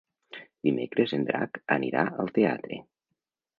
Dimecres en Drac anirà al teatre.